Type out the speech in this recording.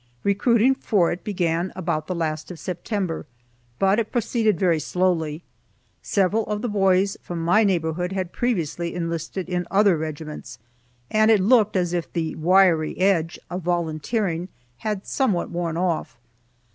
Recruiting for it began about the last of September, but it proceeded very slowly. Several of the boys from my neighborhood had previously enlisted in other regiments, and it looked as if the "wiry edge" of volunteering had somewhat worn off.